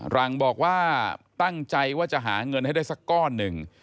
หลังบอกว่าตั้งใจว่าจะหาเงินให้ได้สักก้อนหนึ่ง